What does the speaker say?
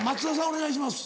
お願いします。